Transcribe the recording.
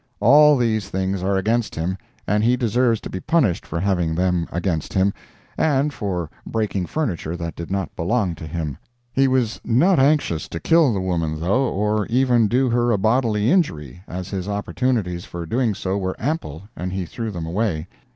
All these things are against him, and he deserves to be punished for having them against him, and for breaking furniture that did not belong to him. He was not anxious to kill the woman, though, or even do her a bodily injury, as his opportunities for doing so were ample, and he threw them away.